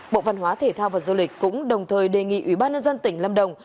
bộ văn hóa thể thao và du lịch cũng đồng thời đề nghị ủy ban nhân dân tỉnh lâm đồng